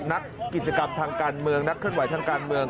นักกิจกรรมทางการเมืองนักเคลื่อนไหวทางการเมือง